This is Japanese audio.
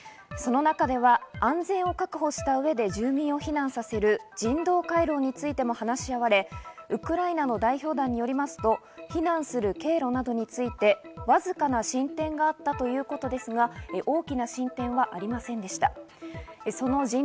その中では安全を確保した上で住民を避難させる人道回廊についても話し合われ、ウクライナの代表団によりますと、避難する経路などについて、わずかな進展があったということですが、大きな進展はありませんでした。